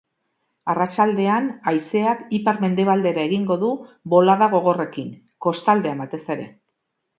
Arratsaldean haizeak ipar-mendebaldera egingo du bolada gogorrekin, kostaldean batez ere.